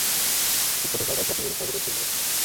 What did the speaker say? টিপটপের জায়গায় ফ্র্যাঁসি ম্যারি শারভেটের ছবি লাগাচ্ছি।